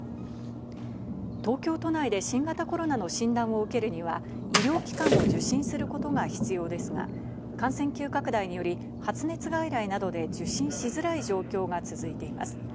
東京都内で新型コロナの診断を受けるには医療機関を受診することが必要ですが、感染急拡大により発熱外来などで受診しづらい状況が続いています。